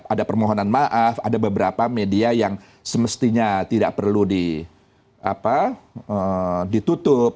ada permohonan maaf ada beberapa media yang semestinya tidak perlu ditutup